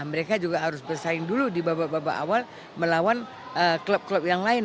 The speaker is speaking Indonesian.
mereka juga harus bersaing dulu di babak babak awal melawan klub klub yang lain